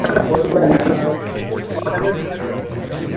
Would you mind booking a flight to Turkey for me for the next week?